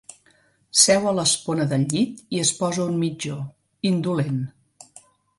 Seu a l'espona del llit i es posa un mitjó, indolent.